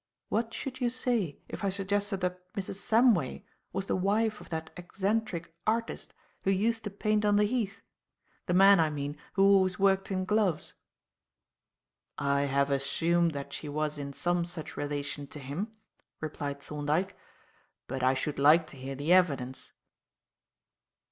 What should you say if I suggested that Mrs. Samway was the wife of that eccentric artist who used to paint on the Heath? The man, I mean, who always worked in gloves?" "I have assumed that she was in some such relation to him," replied Thorndyke, "but I should like to hear the evidence."